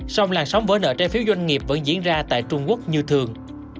song làn sóng vỡ nợ trái phiếu doanh nghiệp vẫn diễn ra tại trung quốc như thường